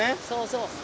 そうそう。